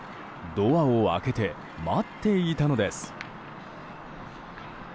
ドアを開けて待っていたのです。